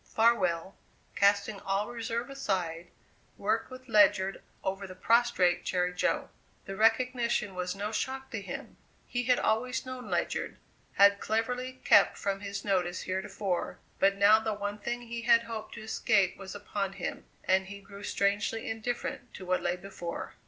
Farwell, casting all reserve aside, worked with Ledyard over the prostrate Jerry Jo. The recognition was no shock to him; he had always known Ledyard; had cleverly kept from his notice heretofore, but now the one thing he had hoped to escape was upon him, and he grew strangely indifferent to what lay before.